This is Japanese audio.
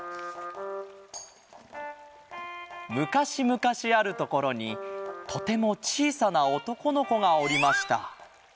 むかしむかしあるところにとてもちいさなおとこのこがおりました。